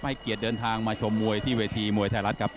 ให้เกียรติเดินทางมาชมมวยที่เวทีมวยไทยรัฐครับ